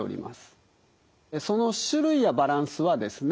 その種類やバランスはですね